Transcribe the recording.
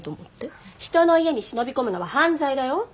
人の家に忍び込むのは犯罪だよ。